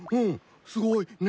すごいね。